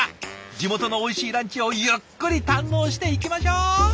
地元のおいしいランチをゆっくり堪能していきましょう。